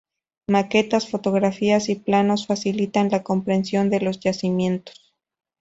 Maquetas, fotografías y planos facilitan la comprensión de los yacimientos.